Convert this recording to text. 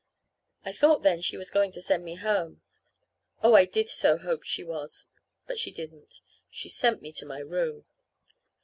I thought then she was going to send me home. Oh, I did so hope she was. But she didn't. She sent me to my room.